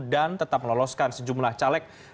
dan tetap meloloskan sejumlah caleg dengan latar belakang